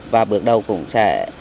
và bước đầu cũng sẽ